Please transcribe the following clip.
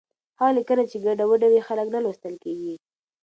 هغه لیکنه چې ګډوډه وي، خلک نه لوستل کېږي.